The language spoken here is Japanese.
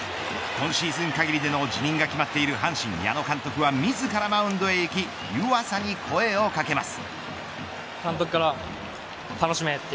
今シーズン限りの辞任が決まっている阪神矢野監督は自らマウンドへ行き湯浅に声をかけます。